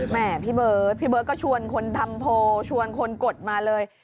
แม่พี่เบิร์ตพี่เบิร์ตก็ชวนคนทำโพลชวนคนกดมาเลย